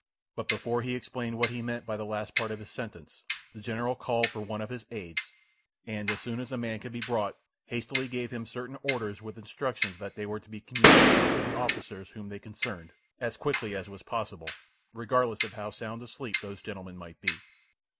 But before he explained what he meant by the last part of his sentence, the general called for one of his aids, and as soon as the man could be brought, hastily gave him certain orders with instructions that they were to be communicated to the officers whom they concerned, as quickly as was possible, regardless of how sound asleep those gentlemen might be.